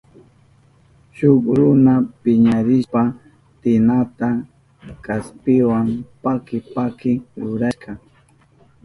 Shuk runa piñarishpan tinahata kaspiwa paki paki rurashka.